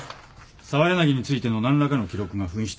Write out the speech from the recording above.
澤柳についての何らかの記録が紛失。